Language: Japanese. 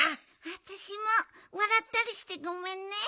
あたしもわらったりしてごめんね。